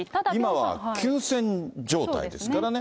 今は休戦状態ですからね。